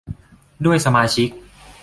ด้วยสมาชิก